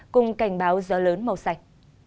cùng cảnh báo gió lớn màu xanh